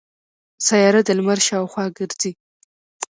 سیاره د لمر شاوخوا ګرځي.